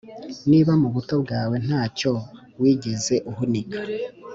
Niba mu buto bwawe nta cyo wigeze uhunika,